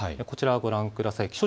こちらをご覧ください。